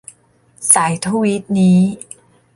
สายทวีตนี้